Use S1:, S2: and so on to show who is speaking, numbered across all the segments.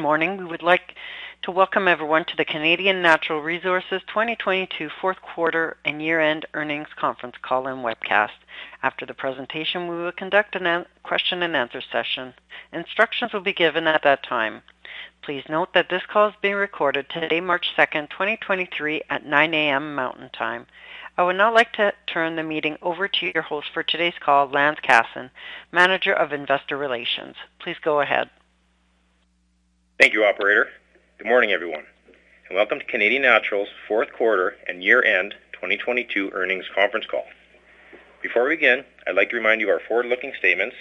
S1: Good morning. We would like to welcome everyone to the Canadian Natural Resources 2022 fourth quarter and year-end earnings conference call and webcast. After the presentation, we will conduct a question and answer session. Instructions will be given at that time. Please note that this call is being recorded today, March 2nd, 2023 at 9:00 A.M. Mountain Time. I would now like to turn the meeting over to your host for today's call, Lance Casson, Manager of Investor Relations. Please go ahead.
S2: Thank you, operator. Good morning, everyone, and welcome to Canadian Natural's fourth quarter and year-end 2022 earnings conference call. Before we begin, I'd like to remind you of our forward-looking statements,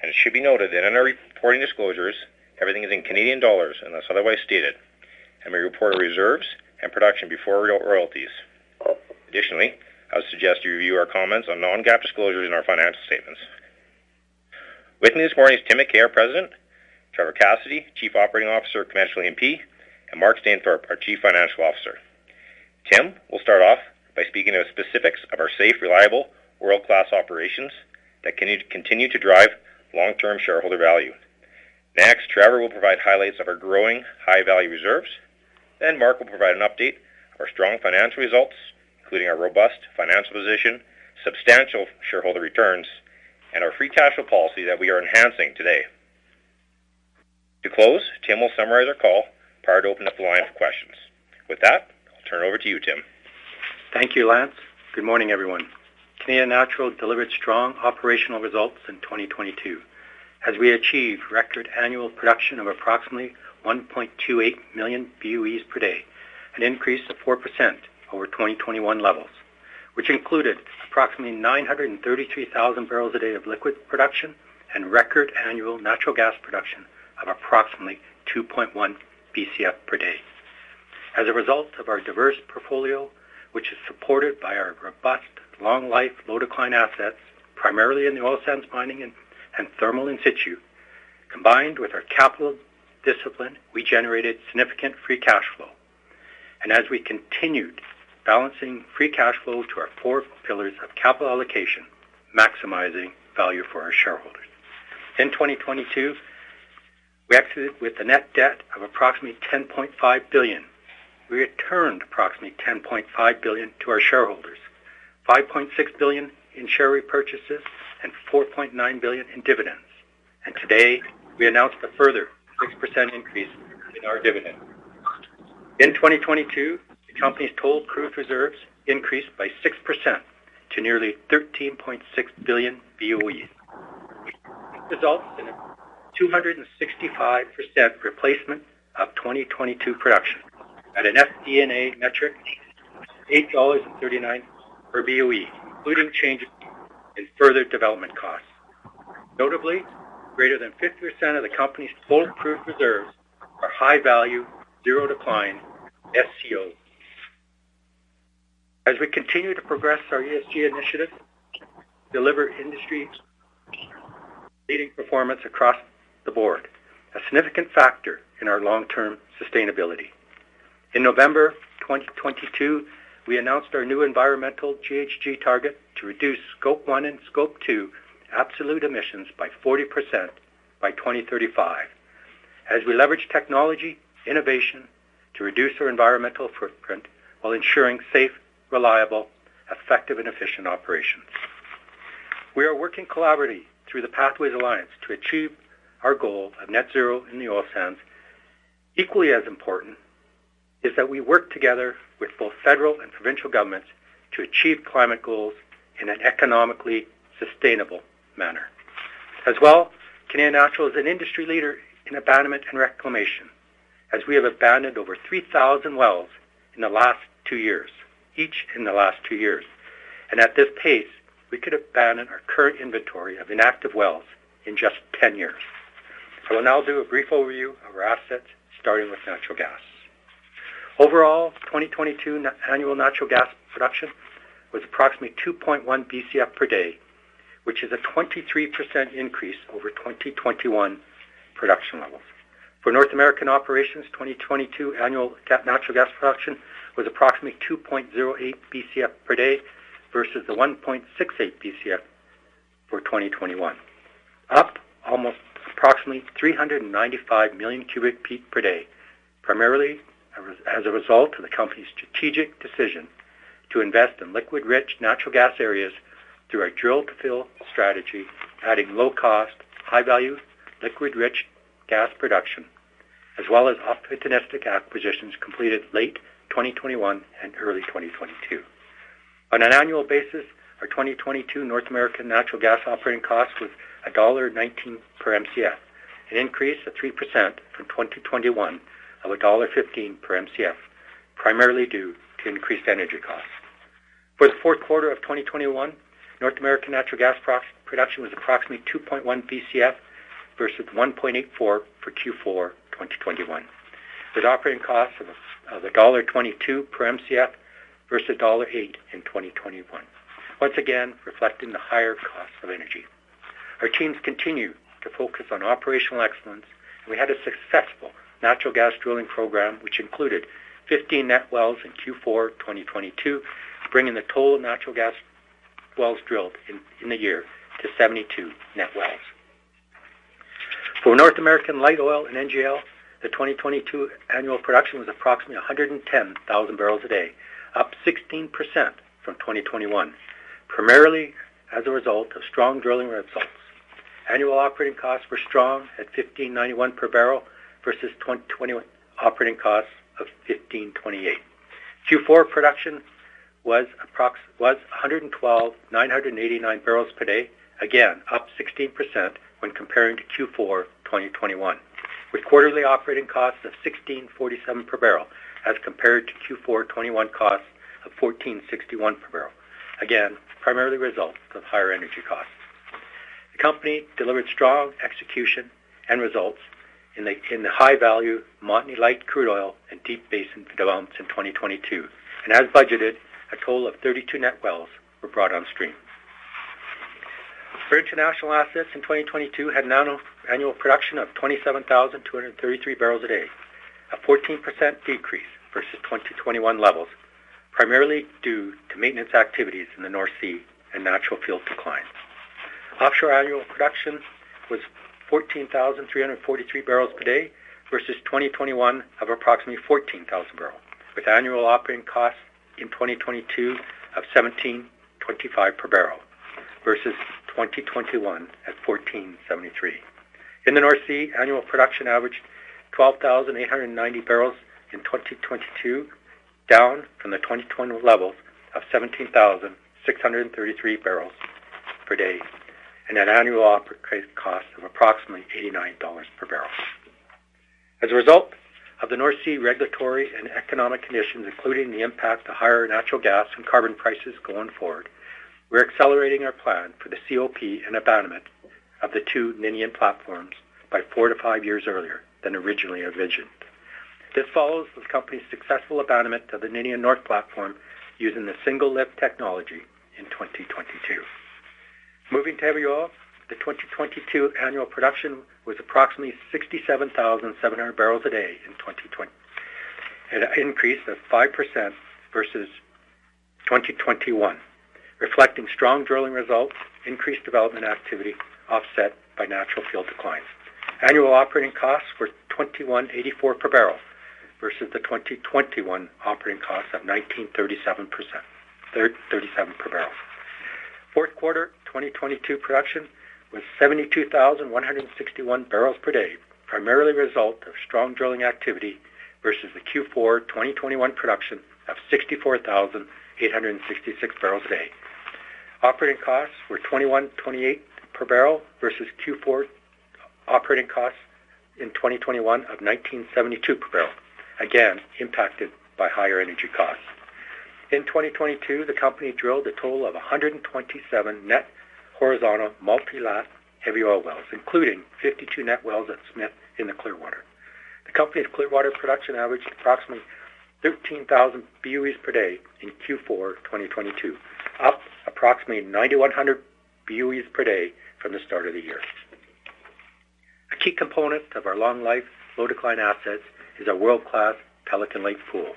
S2: and it should be noted that in our reporting disclosures, everything is in Canadian dollars, unless otherwise stated, and we report our reserves and production before royalties. Additionally, I would suggest you review our comments on non-GAAP disclosures in our financial statements. With me this morning is Tim McKay, President, Trevor Cassidy, Chief Operating Officer, Commercial E&P, and Mark Stainthorpe, our Chief Financial Officer. Tim will start off by speaking of specifics of our safe, reliable world-class operations that can continue to drive long-term shareholder value. Next, Trevor will provide highlights of our growing high-value reserves, then Mark will provide an update, our strong financial results, including our robust financial position, substantial shareholder returns, and our free cash flow policy that we are enhancing today. To close, Tim will summarize our call prior to opening up the line of questions. With that, I'll turn it over to you, Tim.
S3: Thank you, Lance. Good morning, everyone. Canadian Natural delivered strong operational results in 2022 as we achieved record annual production of approximately 1.28 million BOEs per day, an increase of 4% over 2021 levels, which included approximately 933,000 bbl a day of liquid production and record annual natural gas production of approximately 2.1 Bcf per day. As a result of our diverse portfolio, which is supported by our robust, long life, low decline assets, primarily in the Oil Sands Mining and Thermal In Situ, combined with our capital discipline, we generated significant free cash flow. As we continued balancing free cash flow to our four pillars of capital allocation, maximizing value for our shareholders. In 2022, we exited with a net debt of approximately 10.5 billion. We returned approximately 10.5 billion to our shareholders, 5.6 billion in share repurchases and 4.9 billion in dividends. Today, we announced a further 6% increase in our dividend. In 2022, the company's total proved reserves increased by 6% to nearly 13.6 billion BOEs. Results in a 265% replacement of 2022 production at an FD&A metric of 8.39 per BOE, including changes in further development costs. Notably, greater than 50% of the company's total proved reserves are high value, zero decline SCO. As we continue to progress our ESG initiative, deliver industry leading performance across the board, a significant factor in our long-term sustainability. In November 2022, we announced our new environmental GHG target to reduce Scope 1 and Scope 2 absolute emissions by 40% by 2035, as we leverage technology innovation to reduce our environmental footprint while ensuring safe, reliable, effective, and efficient operations. We are working collaboratively through the Pathways Alliance to achieve our goal of net zero in the oil sands. Equally as important is that we work together with both federal and provincial governments to achieve climate goals in an economically sustainable manner. As well, Canadian Natural is an industry leader in abandonment and reclamation, as we have abandoned over 3,000 wells in the last two years. At this pace, we could abandon our current inventory of inactive wells in just 10 years. I will now do a brief overview of our assets, starting with natural gas. Overall, 2022 annual natural gas production was approximately 2.1 Bcf per day, which is a 23% increase over 2021 production levels. For North American operations, 2022 annual natural gas production was approximately 2.08 Bcf per day versus the 1.68 Bcf for 2021, up almost approximately 395 million cubic feet per day, primarily as a result of the company's strategic decision to invest in liquid rich natural gas areas through our drill to fill strategy, adding low cost, high value, liquid rich gas production, as well as opportunistic acquisitions completed late 2021 and early 2022. On an annual basis, our 2022 North American natural gas operating cost was 1.19 dollar per Mcf, an increase of 3% from 2021 of dollar 1.15 per Mcf, primarily due to increased energy costs. For the fourth quarter of 2021, North American natural gas production was approximately 2.1 Bcf versus 1.84 for Q4 2021, with operating costs of dollar 1.22 per Mcf versus dollar 0.08 in 2021. Once again, reflecting the higher cost of energy. Our teams continue to focus on operational excellence, and we had a successful natural gas drilling program, which included 15 net wells in Q4 2022, bringing the total natural gas wells drilled in the year to 72 net wells. For North American light oil and NGL, the 2022 annual production was approximately 110,000 bbl a day, up 16% from 2021, primarily as a result of strong drilling results. Annual operating costs were strong at 15.91 per barrel versus 2021 operating costs of 15.28. Q4 production was 112,989 bbl per day, again up 16% when comparing to Q4 2021, with quarterly operating costs of 16.47 per barrel as compared to Q4 2021 costs of 14.61 per barrel. Again, primarily a result of higher energy costs. The company delivered strong execution and results in the high-value Montney light crude oil and Deep Basin developments in 2022. As budgeted, a total of 32 net wells were brought on stream. For international assets in 2022 had an annual production of 27,233 bbl a day, a 14% decrease versus 2021 levels, primarily due to maintenance activities in the North Sea and natural field declines. Offshore annual production was 14,343 bbl per day versus 2021 of approximately 14,000 bbl, with annual operating costs in 2022 of 17.25 per barrel versus 2021 at 14.73. In the North Sea, annual production averaged 12,890 bbl in 2022, down from the 2020 levels of 17,633 bbl per day and an annual cost of approximately 89 dollars per barrel. As a result of the North Sea regulatory and economic conditions, including the impact of higher natural gas and carbon prices going forward, we're accelerating our plan for the COP and abandonment of the two Ninian platforms by four to five years earlier than originally envisioned. This follows the company's successful abandonment of the Ninian North platform using the single-lift technology in 2022. Moving to heavy oil, the 2022 annual production was approximately 67,700 bbl a day in 2020, at an increase of 5% versus 2021, reflecting strong drilling results, increased development activity offset by natural field declines. Annual operating costs were 21.84 per barrel versus the 2021 operating cost of 19.37 per barrel. Fourth quarter 2022 production was 72,161 bbl per day, primarily a result of strong drilling activity versus the Q4 2021 production of 64,866 bbl a day. Operating costs were 21.28 per barrel versus Q4 operating costs in 2021 of 19.72 per barrel, again impacted by higher energy costs. In 2022, the company drilled a total of 127 net horizontal multi-lat heavy oil wells, including 52 net wells at Smith in the Clearwater. The company at Clearwater production averaged approximately 13,000 BOEs per day in Q4 2022, up approximately 9,100 BOEs per day from the start of the year. A key component of our long life, low decline assets is our world-class Pelican Lake pool,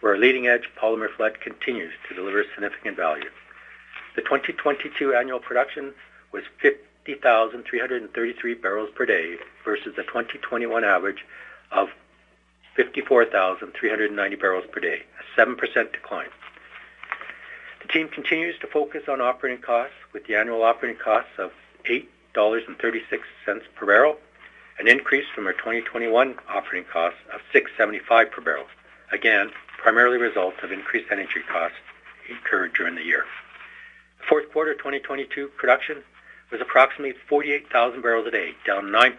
S3: where our leading-edge polymer flood continues to deliver significant value. The 2022 annual production was 50,333 bbl per day versus the 2021 average of 54,390 bbl per day, a 7% decline. The team continues to focus on operating costs with the annual operating cost of 8.36 dollars per barrel, an increase from our 2021 operating cost of 6.75 per barrel. Again, primarily a result of increased energy costs incurred during the year. The fourth quarter of 2022 production was approximately 48,000 bbl a day, down 9%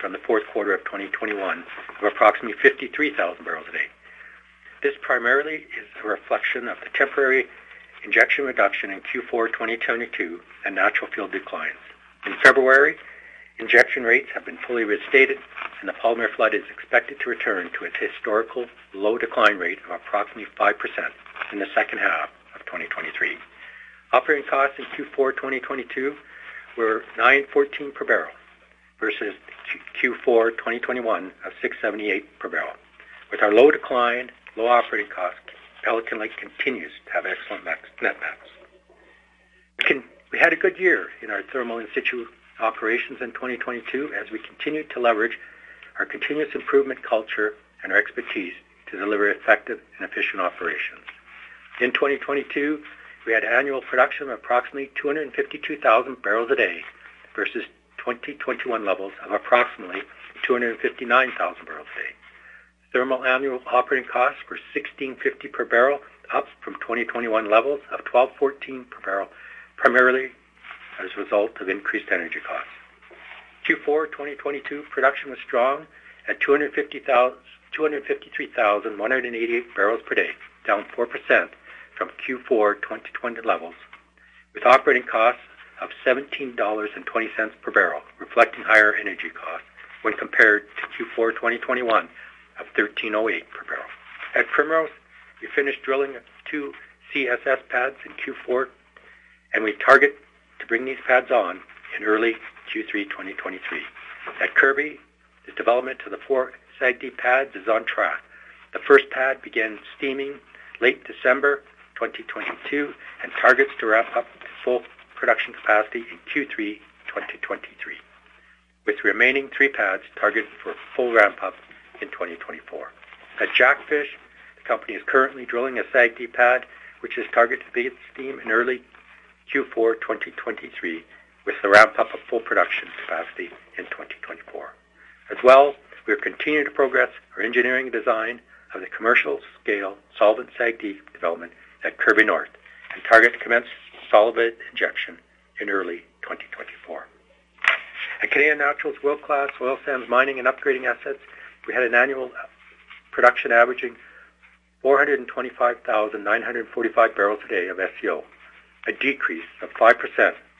S3: from the fourth quarter of 2021 of approximately 53,000 bbl a day. This primarily is a reflection of the temporary injection reduction in Q4 2022 and natural field declines. In February, injection rates have been fully restated and the polymer flood is expected to return to its historical low decline rate of approximately 5% in the second half of 2023. Operating costs in Q4 2022 were 9.14 per barrel versus Q4 2021 of 6.78 per barrel. With our low decline, low operating cost, Pelican Lake continues to have excellent net backs. We had a good year in our Thermal In Situ operations in 2022 as we continued to leverage our continuous improvement culture and our expertise to deliver effective and efficient operations. In 2022, we had annual production of approximately 252,000 bbl a day versus 2021 levels of approximately 259,000 bbl a day. Thermal annual operating costs were 16.50 per barrel, up from 2021 levels of 12.14 per barrel, primarily as a result of increased energy costs. Q4 2022 production was strong at 253,188 bbl per day, down 4% from Q4 2020 levels, with operating costs of 17.20 dollars per barrel, reflecting higher energy costs when compared to Q4 2021 of 13.08 per barrel. At Primrose, we finished drilling two CSS pads in Q4, and we target to bring these pads on in early Q3 2023. At Kirby, the development to the four SAGD pads is on track. The first pad began steaming late December 2022 and targets to ramp up to full production capacity in Q3 2023, with remaining three pads targeted for full ramp up in 2024. At Jackfish, the company is currently drilling a SAGD pad, which is targeted to be at steam in early Q4 2023, with the ramp up of full production capacity in 2024. As well, we are continuing to progress our engineering design of the commercial scale solvent SAGD development at Kirby North and target to commence solvent injection in early 2024. At Canadian Natural's world-class Oil Sands Mining and Upgrading assets, we had an annual production averaging 425,945 bbl a day of SCO, a decrease of 5%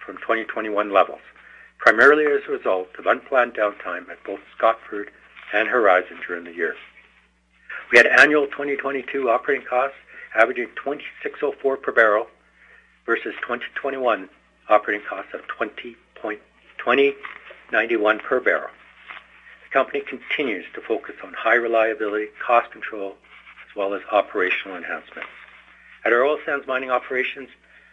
S3: from 2021 levels, primarily as a result of unplanned downtime at both Scotford and Horizon during the year. We had annual 2022 operating costs averaging 26.04 per barrel versus 2021 operating costs of 20.91 per barrel. The company continues to focus on high reliability, cost control, as well as operational enhancements. At our Oil Sands Mining operations,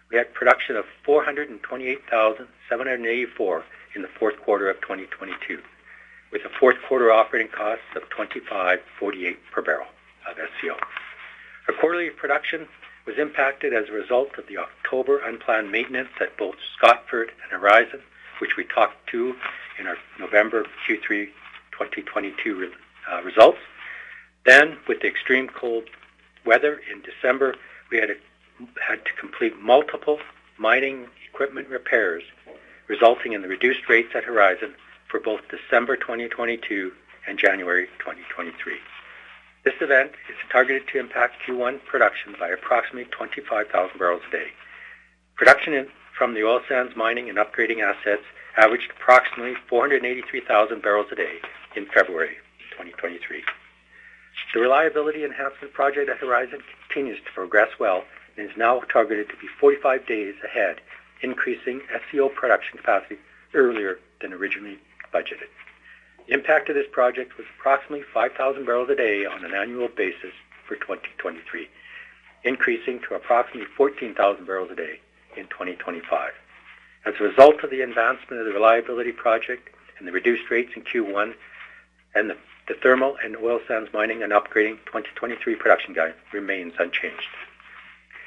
S3: we had production of 428,784 in the fourth quarter of 2022, with a fourth quarter operating cost of 25.48 per barrel of SCO. Our quarterly production was impacted as a result of the October unplanned maintenance at both Scotford and Horizon, which we talked to in our November Q3 2022 results. With the extreme cold weather in December, we had to complete multiple mining equipment repairs, resulting in the reduced rates at Horizon for both December 2022 and January 2023. This event is targeted to impact Q1 production by approximately 25,000 bbl a day. Production from the Oil Sands Mining and Upgrading assets averaged approximately 483,000 bbl a day in February 2023. The reliability enhancement project at Horizon continues to progress well and is now targeted to be 45 days ahead, increasing SCO production capacity earlier than originally budgeted. The impact of this project was approximately 5,000 bbl a day on an annual basis for 2023, increasing to approximately 14,000 bbl a day in 2025. As a result of the advancement of the reliability project and the reduced rates in Q1 and the Thermal and Oil Sands Mining and Upgrading, 2023 production guide remains unchanged.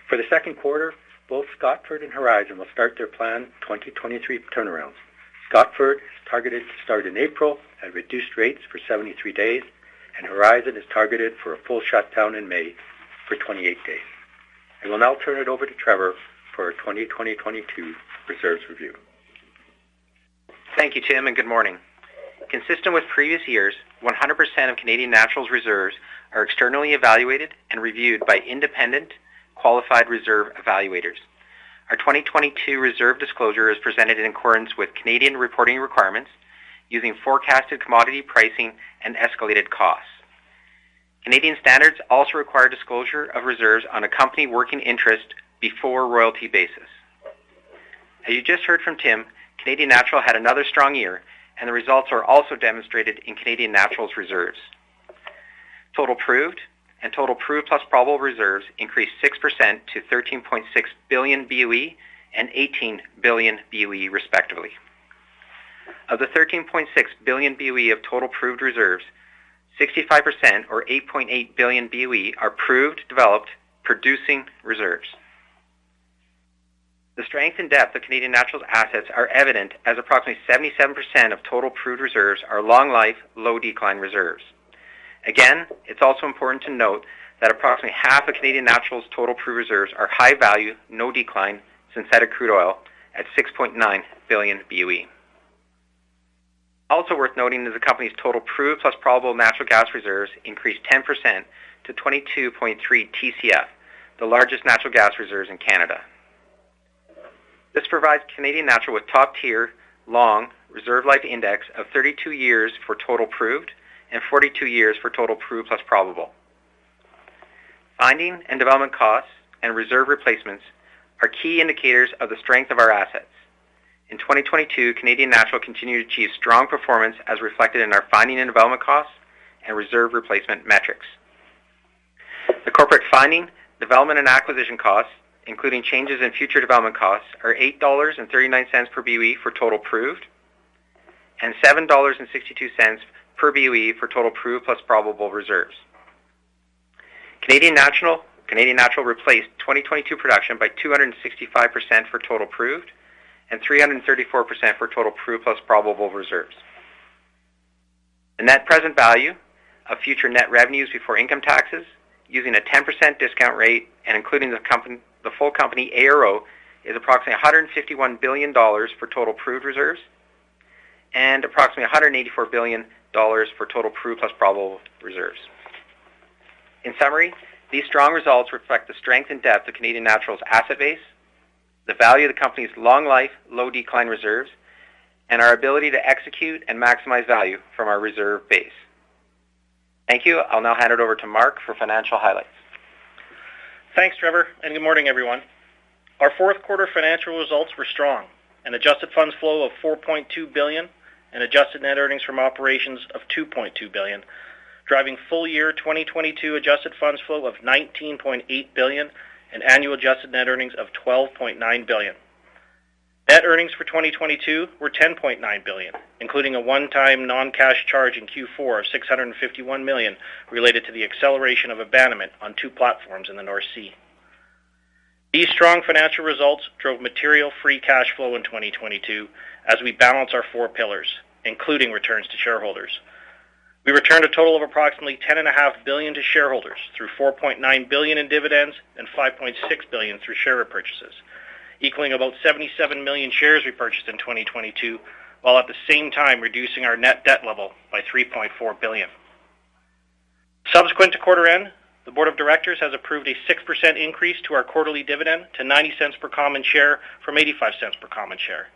S3: For the second quarter, both Scotford and Horizon will start their planned 2023 turnarounds. Scotford is targeted to start in April at reduced rates for 73 days, and Horizon is targeted for a full shutdown in May for 28 days. I will now turn it over to Trevor for our 2022 reserves review.
S4: Thank you, Tim, and good morning. Consistent with previous years, 100% of Canadian Natural's reserves are externally evaluated and reviewed by independent qualified reserve evaluators. Our 2022 reserve disclosure is presented in accordance with Canadian reporting requirements using forecasted commodity pricing and escalated costs. Canadian standards also require disclosure of reserves on a company working interest before royalty basis. As you just heard from Tim, Canadian Natural had another strong year, and the results are also demonstrated in Canadian Natural's reserves. Total proved and total proved plus probable reserves increased 6% to 13.6 billion BOE and 18 billion BOE respectively. Of the 13.6 billion BOE of total proved reserves, 65% or 8.8 billion BOE are proved, developed, producing reserves. The strength and depth of Canadian Natural's assets are evident as approximately 77% of total proved reserves are long life, low decline reserves. Again, it's also important to note that approximately half of Canadian Natural's total proved reserves are high value, no decline synthetic crude oil at 6.9 billion BOE. Also worth noting that the company's total proved plus probable natural gas reserves increased 10% to 22.3 Tcf, the largest natural gas reserves in Canada. This provides Canadian Natural with top-tier long reserve life index of 32 years for total proved and 42 years for total proved plus probable. Finding and development costs and reserve replacements are key indicators of the strength of our assets. In 2022, Canadian Natural continued to achieve strong performance, as reflected in our finding and development costs and reserve replacement metrics. The corporate finding, development, and acquisition costs, including changes in future development costs, are 8.39 dollars per BOE for total proved and 7.62 dollars per BOE for total proved plus probable reserves. Canadian Natural replaced 2022 production by 265% for total proved and 334% for total proved plus probable reserves. The net present value of future net revenues before income taxes using a 10% discount rate and including the full company ARO is approximately 151 billion dollars for total proved reserves and approximately 184 billion dollars for total proved plus probable reserves. In summary, these strong results reflect the strength and depth of Canadian Natural's asset base, the value of the company's long life, low decline reserves, and our ability to execute and maximize value from our reserve base. Thank you. I'll now hand it over to Mark for financial highlights.
S5: Thanks, Trevor. Good morning, everyone. Our fourth quarter financial results were strong. An adjusted funds flow of 4.2 billion and adjusted net earnings from operations of 2.2 billion, driving full year 2022 adjusted funds flow of 19.8 billion and annual adjusted net earnings of 12.9 billion. Net earnings for 2022 were 10.9 billion, including a one-time non-cash charge in Q4 of 651 million related to the acceleration of abandonment on two platforms in the North Sea. These strong financial results drove material free cash flow in 2022 as we balance our four pillars, including returns to shareholders. We returned a total of approximately 10.5 billion to shareholders through 4.9 billion in dividends and 5.6 billion through share repurchases, equaling about 77 million shares repurchased in 2022, while at the same time reducing our net debt level by 3.4 billion. Subsequent to quarter end, the Board of Directors has approved a 6% increase to our quarterly dividend to 0.90 per common share from 0.85 per common share.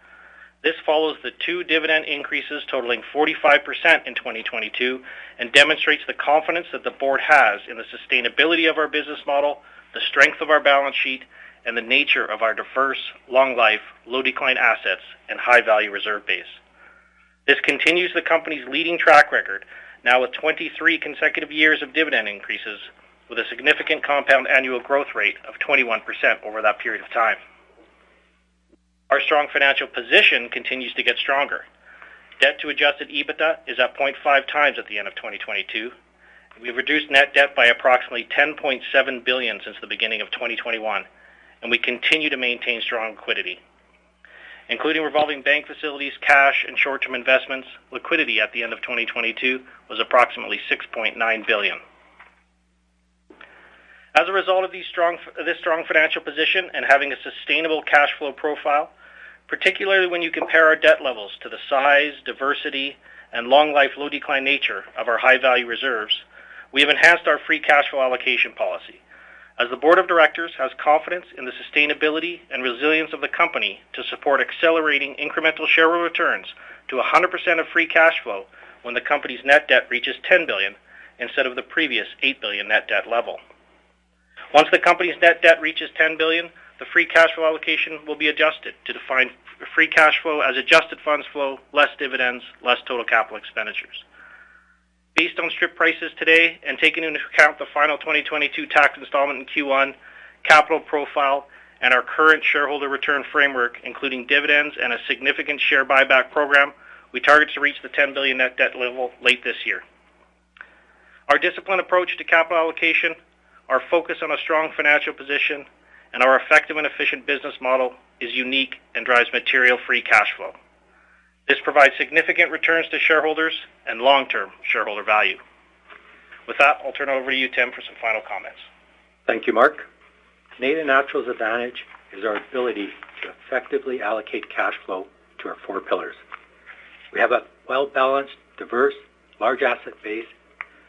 S5: This follows the two dividend increases totaling 45% in 2022 and demonstrates the confidence that the Board has in the sustainability of our business model, the strength of our balance sheet, and the nature of our diverse, long-life, low-decline assets and high-value reserve base. This continues the company's leading track record, now with 23 consecutive years of dividend increases, with a significant compound annual growth rate of 21% over that period of time. Our strong financial position continues to get stronger. Debt to adjusted EBITDA is at 0.5x at the end of 2022. We've reduced net debt by approximately 10.7 billion since the beginning of 2021, and we continue to maintain strong liquidity. Including revolving bank facilities, cash, and short-term investments, liquidity at the end of 2022 was approximately 6.9 billion. As a result of this strong financial position and having a sustainable cash flow profile, particularly when you compare our debt levels to the size, diversity, and long-life, low-decline nature of our high-value reserves, we have enhanced our free cash flow allocation policy. The Board of Directors has confidence in the sustainability and resilience of the company to support accelerating incremental shareholder returns to a 100% of free cash flow when the company's net debt reaches 10 billion instead of the previous 8 billion net debt level. Once the company's net debt reaches 10 billion, the free cash flow allocation will be adjusted to define free cash flow as adjusted funds flow, less dividends, less total capital expenditures. Based on strip prices today and taking into account the final 2022 tax installment in Q1, capital profile, and our current shareholder return framework, including dividends and a significant share buyback program, we target to reach the 10 billion net debt level late this year. Our disciplined approach to capital allocation, our focus on a strong financial position, and our effective and efficient business model is unique and drives material free cash flow. This provides significant returns to shareholders and long-term shareholder value. With that, I'll turn it over to you, Tim, for some final comments.
S3: Thank you, Mark. Canadian Natural's advantage is our ability to effectively allocate cash flow to our four pillars. We have a well-balanced, diverse, large asset base,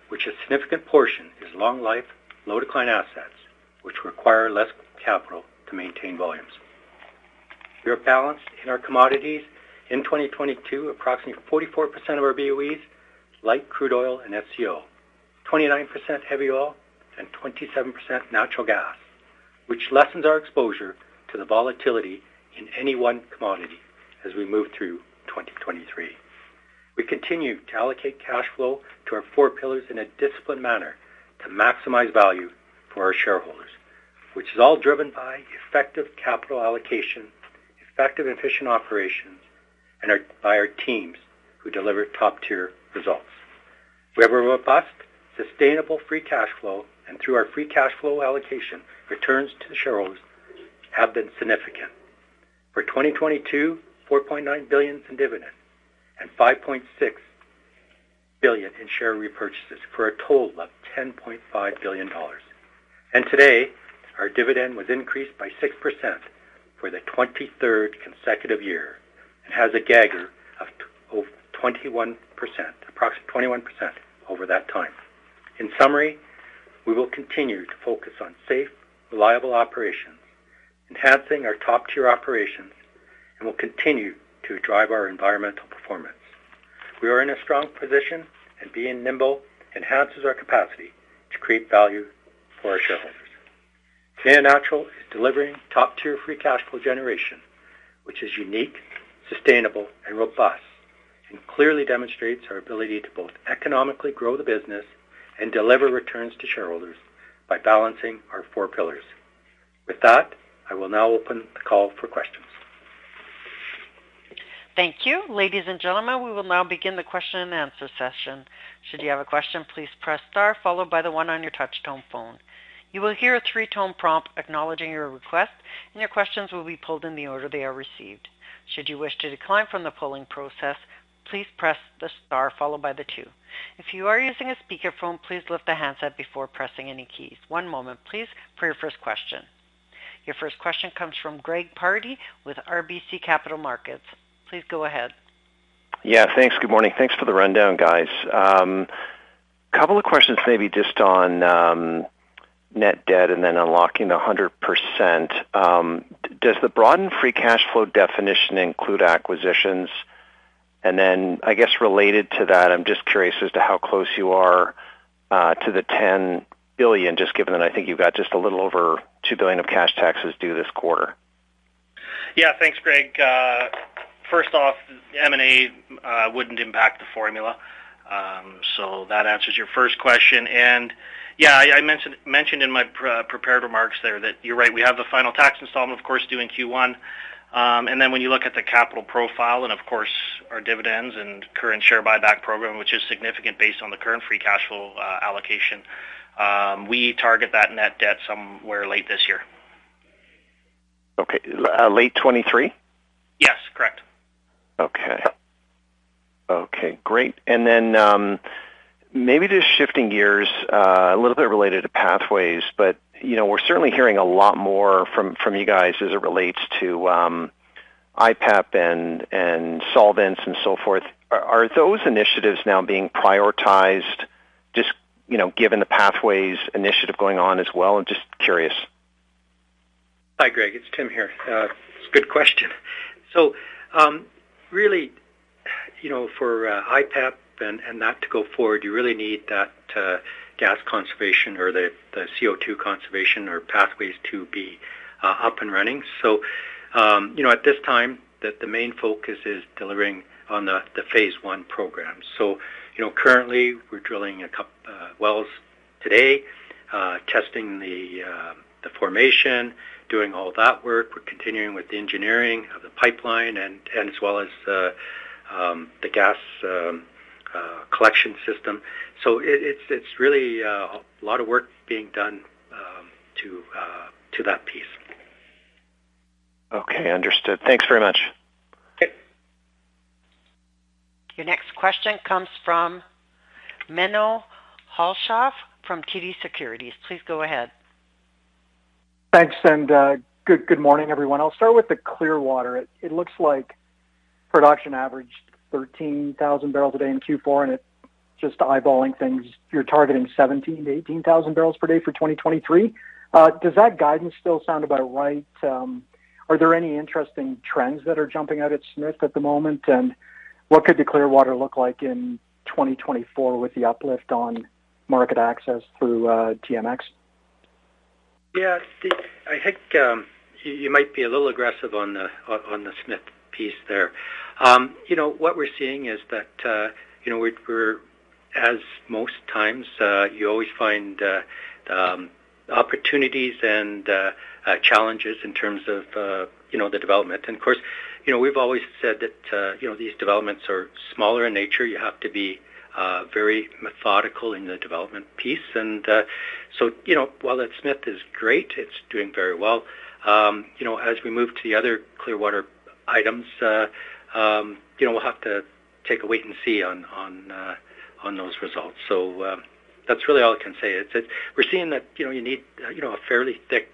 S3: which a significant portion is long-life, low-decline assets, which require less capital to maintain volumes. We are balanced in our commodities. In 2022, approximately 44% of our BOEs, light crude oil and SCO, 29% heavy oil, and 27% natural gas, which lessens our exposure to the volatility in any one commodity as we move through 2023. We continue to allocate cash flow to our four pillars in a disciplined manner to maximize value for our shareholders, which is all driven by effective capital allocation, effective and efficient operations, by our teams who deliver top-tier results. We have a robust, sustainable free cash flow. Through our free cash flow allocation, returns to shareholders have been significant. For 2022, 4.9 billion in dividends and 5.6 billion in share repurchases, for a total of 10.5 billion dollars. Today, our dividend was increased by 6% for the 23rd consecutive year and has a CAGR of approximately 21% over that time. In summary, we will continue to focus on safe, reliable operations, enhancing our top-tier operations, and will continue to drive our environmental performance. We are in a strong position, and being nimble enhances our capacity to create value for our shareholders. Canadian Natural is delivering top-tier free cash flow generation, which is unique, sustainable, and robust, and clearly demonstrates our ability to both economically grow the business and deliver returns to shareholders by balancing our four pillars. With that, I will now open the call for questions.
S1: Thank you. Ladies and gentlemen, we will now begin the question-and-answer session. Should you have a question, please press star followed by the one on your touchtone phone. You will hear a three-tone prompt acknowledging your request, and your questions will be pulled in the order they are received. Should you wish to decline from the polling process, please press the star followed by the two. If you are using a speakerphone, please lift the handset before pressing any keys. One moment, please, for your first question. Your first question comes from Greg Pardy with RBC Capital Markets. Please go ahead.
S6: Yeah. Thanks. Good morning. Thanks for the rundown, guys. couple of questions maybe just on net debt and then unlocking the 100%. Does the broadened free cash flow definition include acquisitions? I guess related to that, I'm just curious as to how close you are to the 10 billion, just given that I think you've got just a little over 2 billion of cash taxes due this quarter.
S5: Yeah. Thanks, Greg. First off, M&A wouldn't impact the formula. That answers your first question. Yeah, I mentioned in my pre-prepared remarks there that you're right. We have the final tax installment, of course, due in Q1. When you look at the capital profile and of course our dividends and current share buyback program, which is significant based on the current free cash flow allocation, we target that net debt somewhere late this year.
S6: Okay. late 2023?
S5: Yes, correct.
S6: Okay. Okay, great. Then, maybe just shifting gears a little bit related to Pathways, but, you know, we're certainly hearing a lot more from you guys as it relates to IPEP and solvents and so forth. Are those initiatives now being prioritized just, you know, given the Pathways initiative going on as well? I'm just curious.
S3: Hi, Greg, it's Tim here. It's a good question. Really, you know, for IPEP and that to go forward, you really need that gas conservation or the CO2 conservation or pathways to be up and running. You know, at this time the main focus is delivering on the phase one program. You know, currently we're drilling wells today, testing the formation, doing all that work. We're continuing with the engineering of the pipeline and as well as the gas collection system. It's really a lot of work being done to that piece.
S6: Okay, understood. Thanks very much.
S3: Okay.
S1: Your next question comes from Menno Hulshof from TD Securities. Please go ahead.
S7: Thanks. Good morning, everyone. I'll start with the Clearwater. It looks like production averaged 13,000 bbl a day in Q4. Just eyeballing things, you're targeting 17,000-18,000 bbl per day for 2023. Does that guidance still sound about right? Are there any interesting trends that are jumping out at Smith at the moment? What could the Clearwater look like in 2024 with the uplift on market access through TMX?
S3: Yeah. See, I think, you might be a little aggressive on the Smith piece there. You know, what we're seeing is that, you know, as most times, you always find opportunities and challenges in terms of, you know, the development. Of course, you know, we've always said that, you know, these developments are smaller in nature. You have to be very methodical in the development piece. So, you know, while that Smith is great, it's doing very well, you know, as we move to the other Clearwater items, you know, we'll have to take a wait and see on those results. That's really all I can say. It's. We're seeing that, you know, you need, you know, a fairly thick,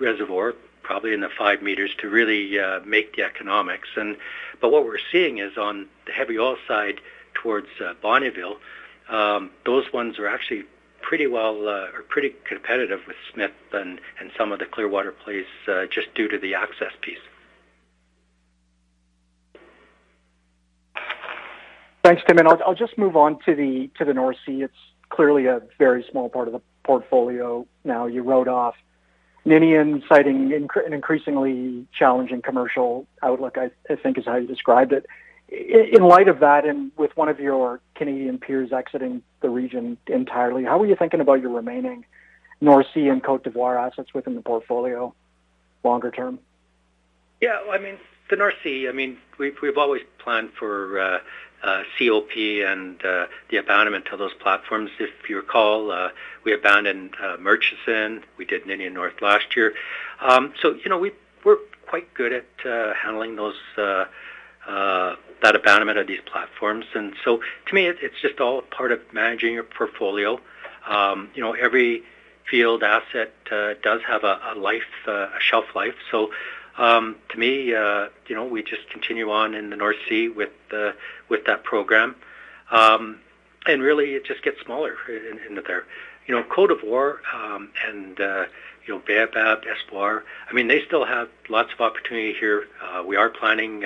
S3: reservoir, probably in the five meters, to really make the economics. What we're seeing is on the heavy oil side towards Bonnyville, those ones are actually pretty well, or pretty competitive with Smith and some of the Clearwater plays, just due to the access piece.
S7: Thanks, Tim. I'll just move on to the North Sea. It's clearly a very small part of the portfolio now. You wrote off Ninian citing an increasingly challenging commercial outlook, I think is how you described it. In light of that, with one of your Canadian peers exiting the region entirely, how are you thinking about your remaining North Sea and Côte d'Ivoire assets within the portfolio longer term?
S3: Yeah. I mean, the North Sea, I mean, we've always planned for COP and the abandonment of those platforms. If you recall, we abandoned Murchison. We did Ninian North last year. So, you know, we're quite good at handling those that abandonment of these platforms. To me, it's just all part of managing your portfolio. You know, every field asset does have a life, a shelf life. To me, you know, we just continue on in the North Sea with that program. Really it just gets smaller in there. You know, Côte d'Ivoire, and, you know, Baobab, Espoir, I mean, they still have lots of opportunity here. We are planning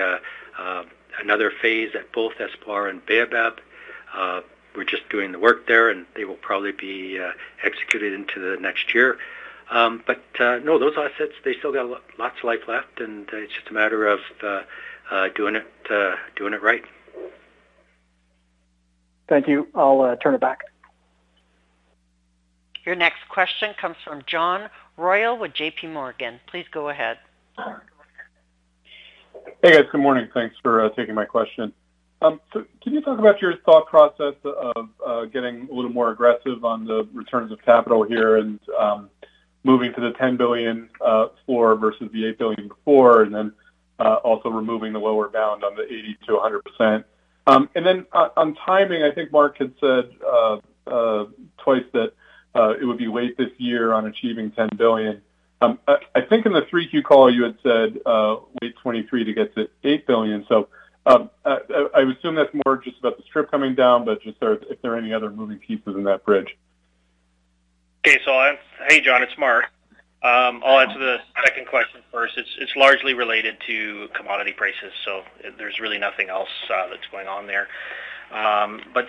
S3: another phase at both Espoir and Baobab. We're just doing the work there, and they will probably be executed into the next year. No, those assets, they still got lots of life left, and it's just a matter of doing it right.
S7: Thank you. I'll turn it back.
S1: Your next question comes from John Royall with JPMorgan. Please go ahead.
S8: Hey, guys. Good morning. Thanks for taking my question. Can you talk about your thought process of getting a little more aggressive on the returns of capital here and moving to the 10 billion floor versus the 8 billion before, and then also removing the lower bound on the 80%-100%? On timing, I think Mark had said twice that it would be late this year on achieving 10 billion. I think in the 3Q call you had said late 2023 to get to 8 billion. I assume that's more just about the strip coming down. Just there, if there are any other moving pieces in that bridge?
S5: Okay. Hey, John, it's Mark. I'll answer the second question first. It's largely related to commodity prices, there's really nothing else that's going on there. But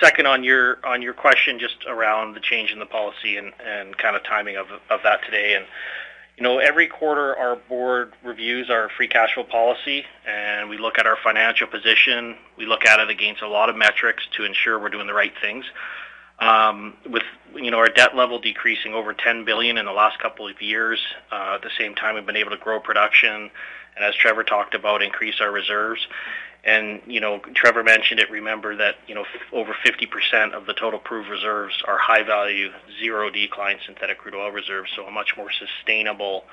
S5: second on your question just around the change in the policy and kind of timing of that today. You know, every quarter our board reviews our free cash flow policy, and we look at our financial position. We look at it against a lot of metrics to ensure we're doing the right things. With, you know, our debt level decreasing over 10 billion in the last couple of years. At the same time, we've been able to grow production and as Trevor talked about, increase our reserves. You know, Trevor mentioned it, remember that, you know, over 50% of the total proof reserves are high value, zero decline synthetic crude oil reserves, so a much more sustainable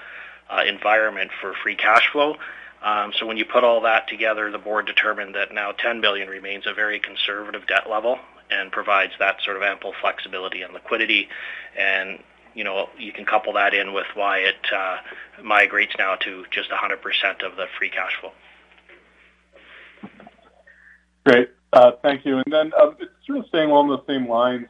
S5: environment for free cash flow. When you put all that together, the board determined that now 10 billion remains a very conservative debt level and provides that sort of ample flexibility and liquidity. You know, you can couple that in with why it migrates now to just 100% of the free cash flow.
S8: Great. Thank you. Then, sort of staying along the same lines,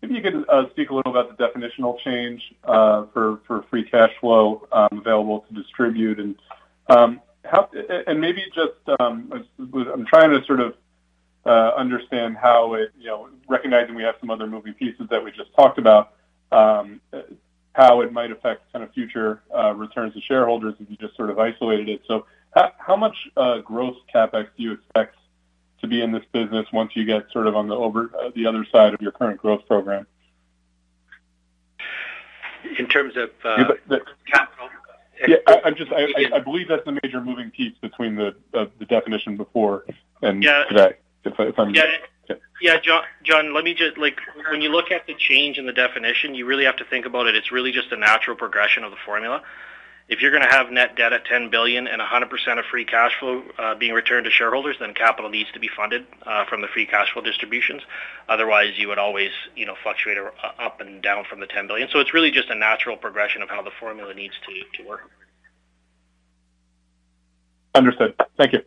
S8: maybe you could speak a little about the definitional change for free cash flow available to distribute. Maybe just, I'm trying to sort of understand how it, you know, recognizing we have some other moving pieces that we just talked about, how it might affect kind of future returns to shareholders if you just sort of isolated it. How much gross CapEx do you expect to be in this business once you get sort of on the other side of your current growth program?
S5: In terms of-
S8: The, the-
S5: -capital?
S8: Yeah. I believe that's a major moving piece between the definition before and today.
S5: Yeah.
S8: If I, if I'm-
S5: Yeah.
S8: Yeah.
S5: Yeah, John, let me like, when you look at the change in the definition, you really have to think about it. It's really just a natural progression of the formula. If you're gonna have net debt at 10 billion and 100% of free cash flow being returned to shareholders, then capital needs to be funded from the free cash flow distributions. Otherwise, you would always, you know, fluctuate up and down from the 10 billion. It's really just a natural progression of how the formula needs to work.
S8: Understood. Thank you.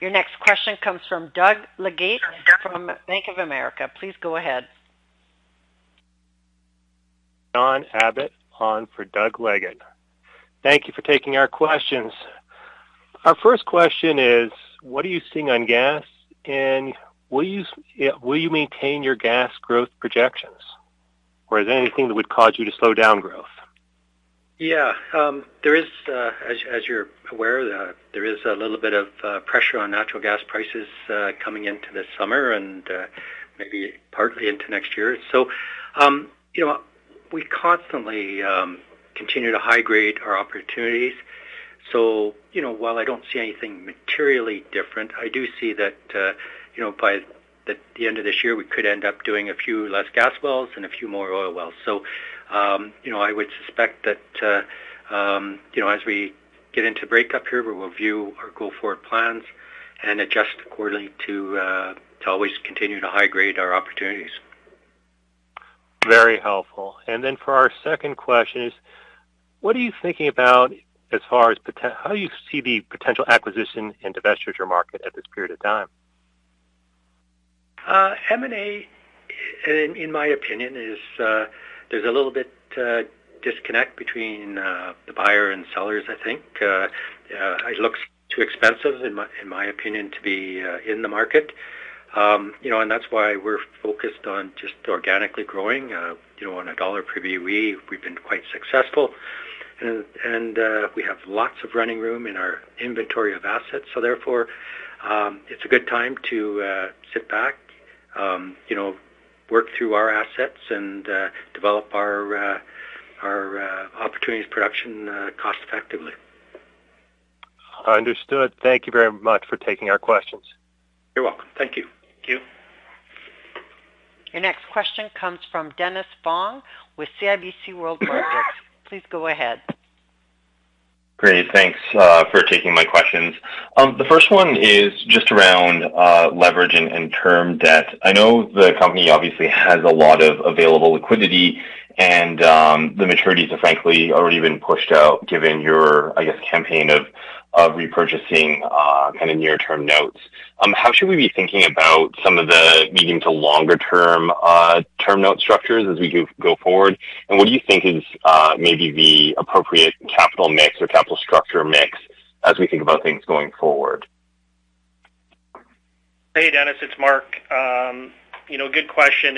S1: Your next question comes from Doug Leggate from Bank of America. Please go ahead.
S9: John Abbott on for Doug Leggate. Thank you for taking our questions. Our first question is, what are you seeing on gas? Will you maintain your gas growth projections, or is there anything that would cause you to slow down growth?
S3: Yeah. There is, as you're aware, there is a little bit of pressure on natural gas prices coming into this summer and maybe partly into next year. you know, we constantly continue to high grade our opportunities. you know, while I don't see anything materially different, I do see that, you know, by the end of this year, we could end up doing a few less gas wells and a few more oil wells. you know, I would suspect that, you know, as we get into breakup here, we will view our go forward plans and adjust accordingly to always continue to high grade our opportunities.
S9: Very helpful. For our second question is, what are you thinking about as far as how do you see the potential acquisition in divestiture market at this period of time?
S3: M&A, in my opinion, is there's a little bit disconnect between the buyer and sellers, I think. It looks too expensive, in my opinion, to be in the market. You know, that's why we're focused on just organically growing. You know, on a dollar preview, we've been quite successful. We have lots of running room in our inventory of assets. Therefore, it's a good time to sit back, you know, work through our assets and develop our our opportunities production cost effectively.
S9: Understood. Thank you very much for taking our questions.
S3: You're welcome. Thank you.
S9: Thank you.
S1: Your next question comes from Dennis Fong with CIBC World Markets. Please go ahead.
S10: Great. Thanks for taking my questions. The first one is just around leverage and term debt. I know the company obviously has a lot of available liquidity, and the maturities have frankly already been pushed out given your, I guess, campaign of repurchasing kind of near-term notes. How should we be thinking about some of the medium to longer term term note structures as we go forward? What do you think is, maybe the appropriate capital mix or capital structure mix as we think about things going forward?
S5: Hey, Dennis, it's Mark. You know, good question.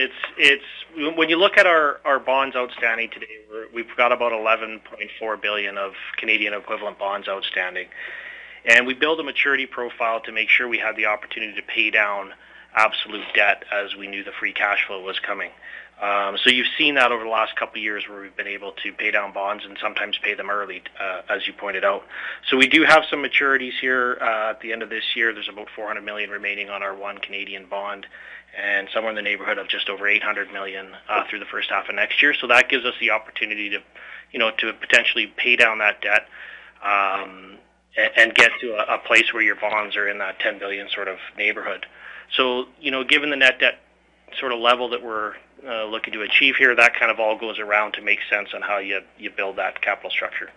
S5: When you look at our bonds outstanding today, we've got about 11.4 billion of Canadian equivalent bonds outstanding. We build a maturity profile to make sure we have the opportunity to pay down absolute debt as we knew the free cash flow was coming. You've seen that over the last couple of years where we've been able to pay down bonds and sometimes pay them early, as you pointed out. We do have some maturities here. At the end of this year, there's about 400 million remaining on our one Canadian bond and somewhere in the neighborhood of just over 800 million through the first half of next year. That gives us the opportunity to, you know, to potentially pay down that debt, and get to a place where your bonds are in that 10 billion sort of neighborhood. You know, given the net debt sort of level that we're looking to achieve here, that kind of all goes around to make sense on how you build that capital structure.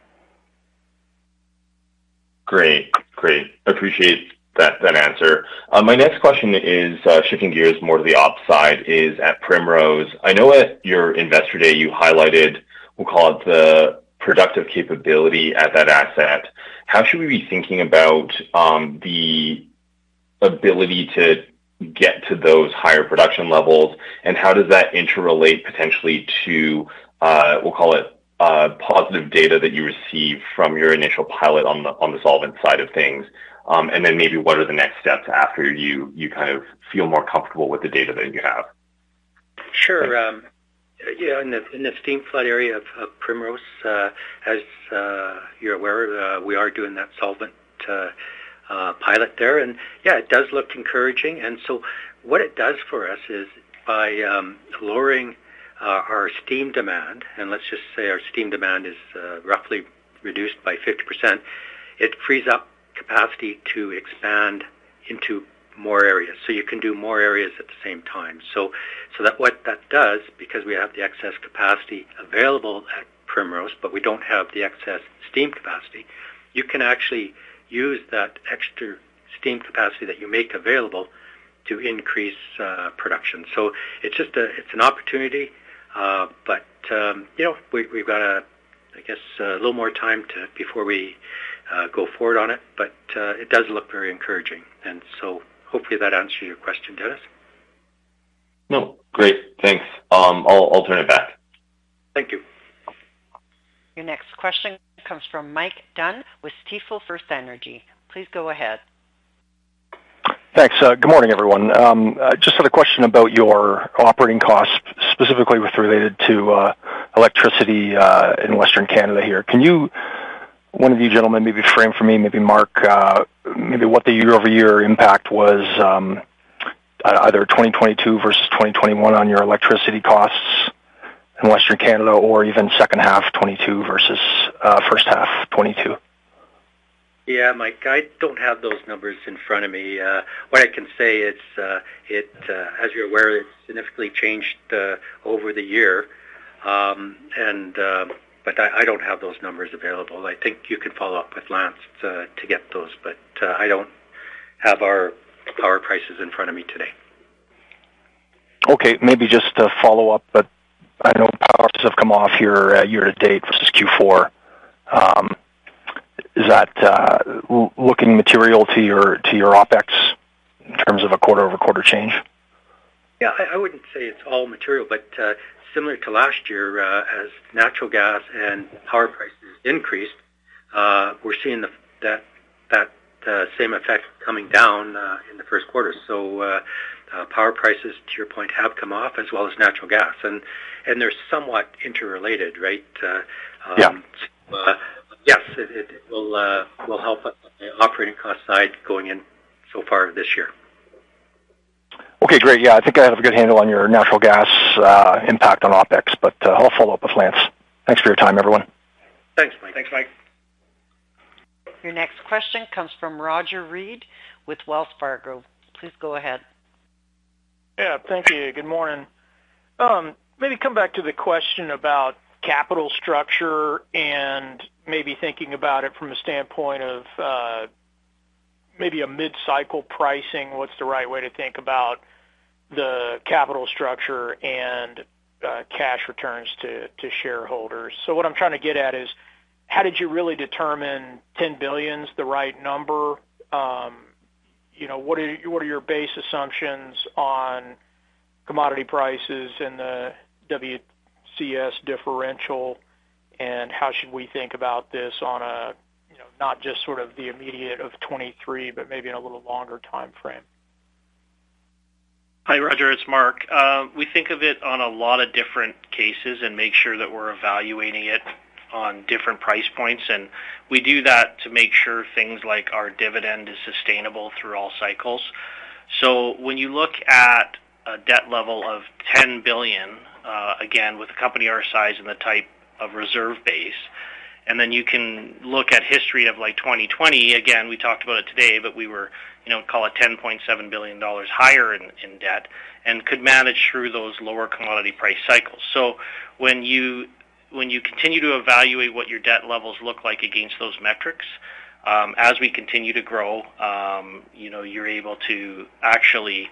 S10: Great. Great. Appreciate that answer. My next question is shifting gears more to the ops side is at Primrose. I know at your Investor Day, you highlighted, we'll call it the productive capability at that asset. How should we be thinking about the ability to get to those higher production levels, and how does that interrelate potentially to, we'll call it, positive data that you receive from your initial pilot on the solvent side of things? Maybe what are the next steps after you kind of feel more comfortable with the data that you have?
S3: Sure. In the steam flood area of Primrose, as you're aware, we are doing that solvent pilot there. It does look encouraging. What it does for us is by lowering our steam demand, and let's just say our steam demand is roughly reduced by 50%, it frees up capacity to expand into more areas, so you can do more areas at the same time. So that what that does, because we have the excess capacity available at Primrose, but we don't have the excess steam capacity, you can actually use that extra steam capacity that you make available to increase production. It's just an opportunity. You know, we've got a, I guess, a little more time to... before we go forward on it. It does look very encouraging. Hopefully that answers your question, Dennis.
S10: No. Great. Thanks. I'll turn it back.
S3: Thank you.
S1: Your next question comes from Mike Dunn with Stifel FirstEnergy. Please go ahead.
S11: Thanks. Good morning, everyone. I just had a question about your operating costs, specifically with related to electricity in Western Canada here. One of you gentlemen maybe frame for me, maybe Mark, maybe what the year-over-year impact was, either 2022 versus 2021 on your electricity costs in Western Canada or even second half 2022 versus first half 2022?
S3: Yeah, Mike, I don't have those numbers in front of me. What I can say it's, it, as you're aware, it's significantly changed over the year. But I don't have those numbers available. I think you can follow up with Lance to get those, but I don't have our power prices in front of me today.
S11: Okay. Maybe just a follow-up, but I know power prices have come off here, year to date versus Q4. Is that looking material to your OpEx in terms of a quarter-over-quarter change?
S3: Yeah. I wouldn't say it's all material, but similar to last year, as natural gas and power prices increased, we're seeing that same effect coming down in the first quarter. Power prices, to your point, have come off as well as natural gas. They're somewhat interrelated, right?
S11: Yeah.
S3: Yes. It will help us on the operating cost side going in so far this year.
S11: Okay, great. Yeah. I think I have a good handle on your natural gas impact on OpEx. I'll follow up with Lance. Thanks for your time, everyone.
S3: Thanks, Mike.
S5: Thanks, Mike.
S1: Your next question comes from Roger Read with Wells Fargo. Please go ahead.
S12: Yeah. Thank you. Good morning. Maybe come back to the question about capital structure and maybe thinking about it from a standpoint of maybe a mid-cycle pricing. What's the right way to think about the capital structure and cash returns to shareholders? What I'm trying to get at is how did you really determine 10 billion's the right number? You know, what are your base assumptions on commodity prices and the WCS differential, and how should we think about this on a, you know, not just sort of the immediate of 2023, but maybe in a little longer timeframe?
S5: Hi, Roger. It's Mark. We think of it on a lot of different cases and make sure that we're evaluating it on different price points, and we do that to make sure things like our dividend is sustainable through all cycles. When you look at a debt level of 10 billion, again, with a company our size and the type of reserve base, and then you can look at history of 2020, again, we talked about it today, but we were, call it 10.7 billion dollars higher in debt and could manage through those lower commodity price cycles. When you continue to evaluate what your debt levels look like against those metrics, as we continue to grow, you know, you're able to actually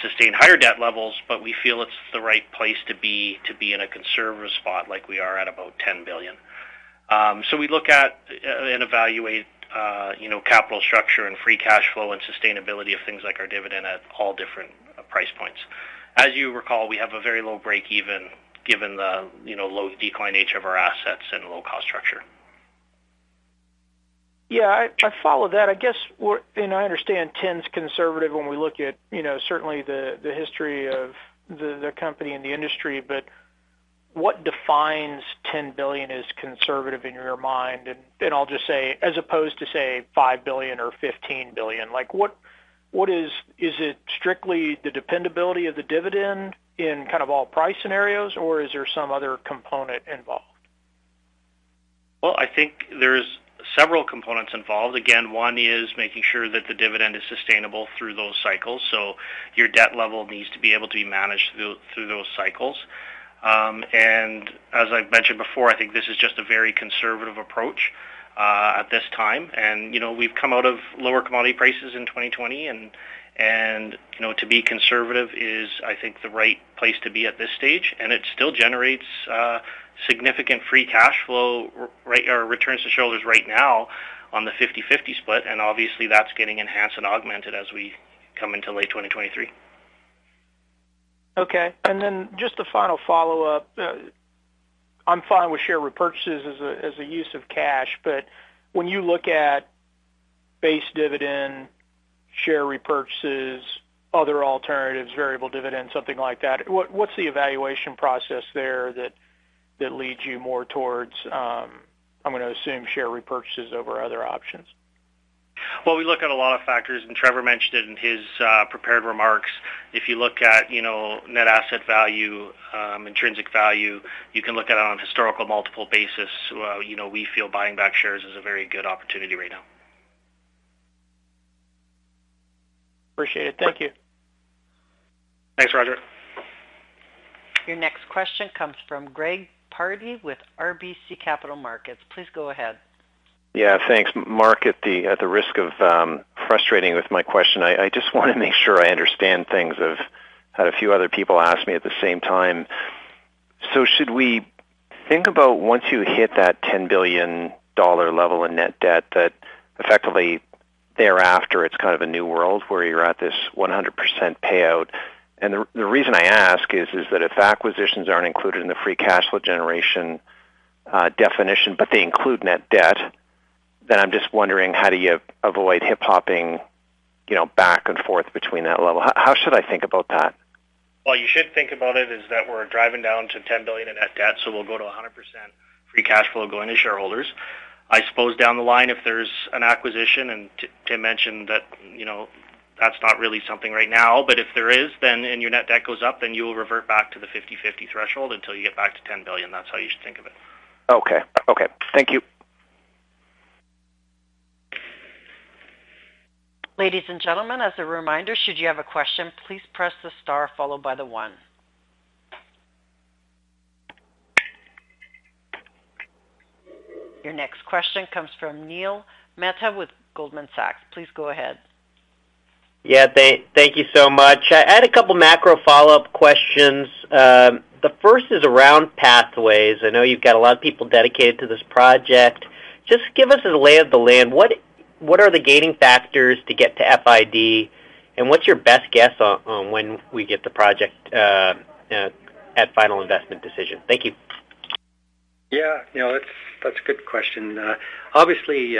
S5: sustain higher debt levels, but we feel it's the right place to be, to be in a conservative spot like we are at about 10 billion. We look at and evaluate, you know, capital structure and free cash flow and sustainability of things like our dividend at all different price points. As you recall, we have a very low break even given the, you know, low decline nature of our assets and low cost structure.
S12: Yeah. I follow that. I understand Tim's conservative when we look at, you know, certainly the history of the company and the industry, but what defines 10 billion as conservative in your mind? I'll just say as opposed to, say, 5 billion or 15 billion. Like, what is? Is it strictly the dependability of the dividend in kind of all price scenarios, or is there some other component involved?
S5: Well, I think there's several components involved. Again, one is making sure that the dividend is sustainable through those cycles. Your debt level needs to be able to be managed through those cycles. As I've mentioned before, I think this is just a very conservative approach at this time. You know, we've come out of lower commodity prices in 2020 and, you know, to be conservative is, I think, the right place to be at this stage. It still generates significant free cash flow or returns to shareholders right now on the 50/50 split, and obviously that's getting enhanced and augmented as we come into late 2023.
S12: Okay. Just a final follow-up. I'm fine with share repurchases as a use of cash, but when you look at base dividend, share repurchases, other alternatives, variable dividends, something like that, what's the evaluation process there that leads you more towards, I'm gonna assume share repurchases over other options?
S5: We look at a lot of factors, and Trevor mentioned it in his prepared remarks. If you look at, you know, net asset value, intrinsic value, you can look at it on a historical multiple basis. You know, we feel buying back shares is a very good opportunity right now.
S12: Appreciate it. Thank you.
S3: Thanks, Roger.
S1: Your next question comes from Greg Pardy with RBC Capital Markets. Please go ahead.
S6: Yeah, thanks. Mark, at the risk of frustrating with my question, I just wanna make sure I understand things of. Had a few other people ask me at the same time. Should we think about once you hit that 10 billion dollar level in net debt, that effectively thereafter, it's kind of a new world where you're at this 100% payout? The reason I ask is that if acquisitions aren't included in the free cash flow generation definition, but they include net debt, then I'm just wondering how do you avoid hip-hopping, you know, back and forth between that level. How should I think about that?
S5: Well, you should think about it is that we're driving down to 10 billion in net debt, we'll go to 100% free cash flow going to shareholders. I suppose down the line, if there's an acquisition, and Tim mentioned that, you know, that's not really something right now. If there is, then and your net debt goes up, then you'll revert back to the 50/50 threshold until you get back to 10 billion. That's how you should think of it.
S6: Okay. Okay. Thank you.
S1: Ladies and gentlemen, as a reminder, should you have a question, please press the star followed by the one. Your next question comes from Neil Mehta with Goldman Sachs. Please go ahead.
S13: Yeah, thank you so much. I had a couple macro follow-up questions. The first is around Pathways. I know you've got a lot of people dedicated to this project. Just give us the lay of the land. What are the gaining factors to get to FID? What's your best guess on when we get the project at final investment decision? Thank you.
S3: Yeah. You know, that's a good question. Obviously, you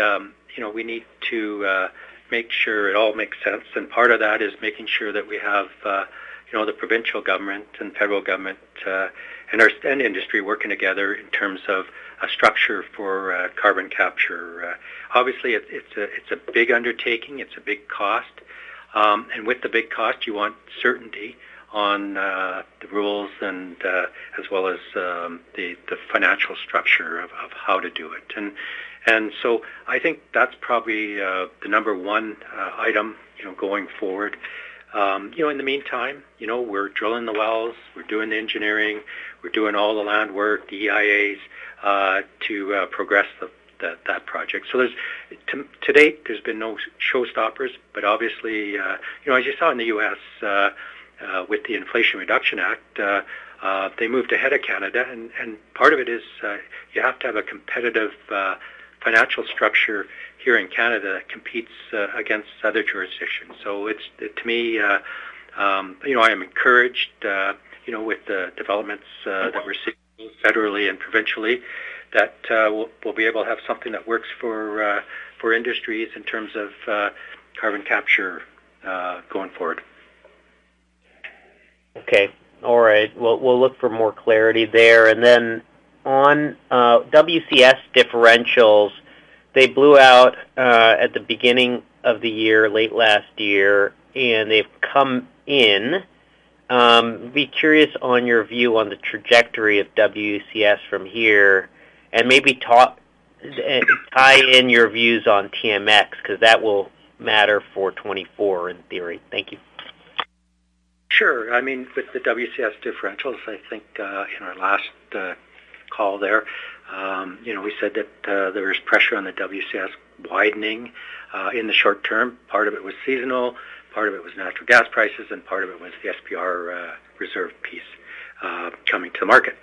S3: know, we need to make sure it all makes sense, and part of that is making sure that we have, you know, the provincial government and federal government, and our spend industry working together in terms of a structure for carbon capture. Obviously it's a big undertaking, it's a big cost. With the big cost, you want certainty on the rules and as well as the financial structure of how to do it. I think that's probably the number one item, you know, going forward. You know, in the meantime, you know, we're drilling the wells, we're doing the engineering, we're doing all the land work, the EIAs, to progress that project. To date, there's been no showstoppers. Obviously, you know, as you saw in the U.S. with the Inflation Reduction Act, they moved ahead of Canada. Part of it is, you have to have a competitive financial structure here in Canada that competes against other jurisdictions. It's, to me, you know, I am encouraged, you know, with the developments that we're seeing federally and provincially that we'll be able to have something that works for industries in terms of carbon capture going forward.
S13: Okay. All right. We'll, we'll look for more clarity there. Then on WCS differentials, they blew out at the beginning of the year, late last year, and they've come in. Be curious on your view on the trajectory of WCS from here, maybe tie in your views on TMX, 'cause that will matter for 2024 in theory. Thank you.
S3: Sure. I mean, with the WCS differentials, I think, in our last call there, we said that there's pressure on the WCS widening in the short term. Part of it was seasonal, part of it was natural gas prices, and part of it was the SPR reserve piece coming to the market.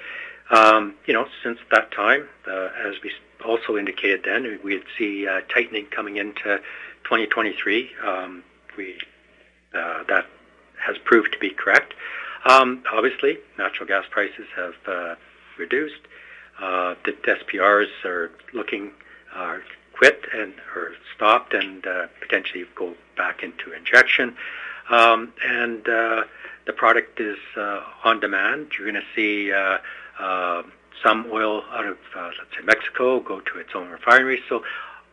S3: Since that time, as we also indicated then, we'd see a tightening coming into 2023. We, that has proved to be correct. Obviously, natural gas prices have reduced. The SPRs are stopped and potentially go back into injection. The product is on demand. You're gonna see some oil out of, let's say, Mexico go to its own refinery.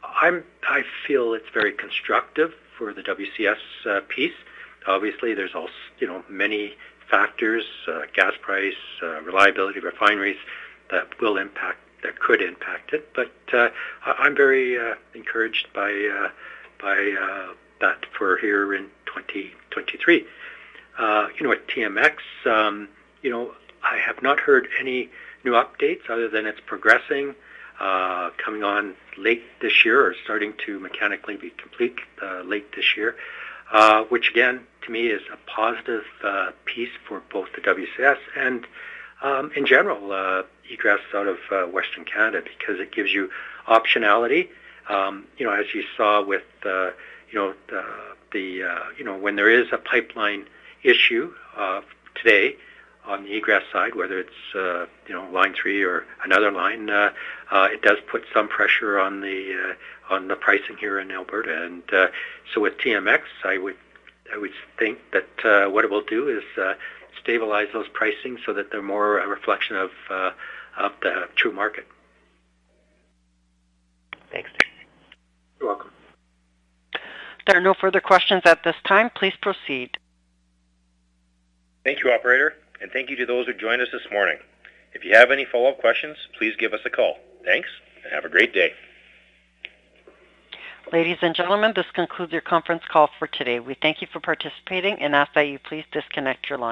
S3: I feel it's very constructive for the WCS piece. Obviously, there's you know, many factors, gas price, reliability of refineries that could impact it. I'm very encouraged by that for here in 2023. You know, at TMX, you know, I have not heard any new updates other than it's progressing, coming on late this year or starting to mechanically be complete late this year. Which again, to me is a positive piece for both the WCS and, in general, egress out of Western Canada because it gives you optionality. You know, as you saw with, you know, the... You know, when there is a pipeline issue today on the egress side, whether it's, you know, Line 3 or another line, it does put some pressure on the pricing here in Alberta. With TMX, I would think that what it will do is stabilize those pricing so that they're more a reflection of the true market.
S13: Thanks.
S3: You're welcome.
S1: There are no further questions at this time. Please proceed.
S2: Thank you, operator, and thank you to those who joined us this morning. If you have any follow-up questions, please give us a call. Thanks, and have a great day.
S1: Ladies and gentlemen, this concludes your conference call for today. We thank you for participating and ask that you please disconnect your line.